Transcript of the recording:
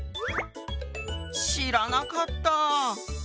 知らなかった！